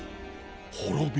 ほろび